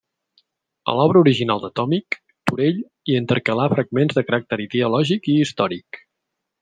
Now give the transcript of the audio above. A l'obra original de Tomic, Turell hi intercalà fragments de caràcter ideològic i històric.